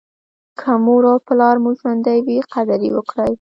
که مور او پلار مو ژوندي وي قدر یې وکړئ.